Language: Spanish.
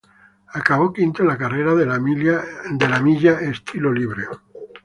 Acabó quinto en la carrera de la milla estilo libre.